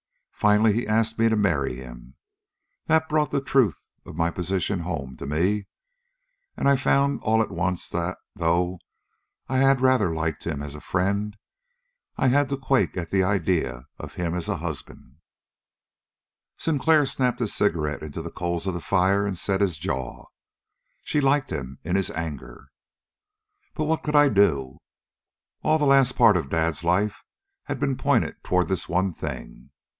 Finally he asked me to marry him. That brought the truth of my position home to me, and I found all at once that, though I had rather liked him as a friend, I had to quake at the idea of him as a husband." Sinclair snapped his cigarette into the coals of the fire and set his jaw. She liked him in his anger. "But what could I do? All of the last part of Dad's life had been pointed toward this one thing.